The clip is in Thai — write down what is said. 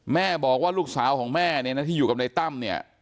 แม่บอกว่าลูกสาวของแม่เนี่ยนะที่อยู่กับในตั้มเนี่ย